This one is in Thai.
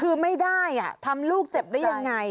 คือไม่ได้ทำลูกเจ็บได้ยังไง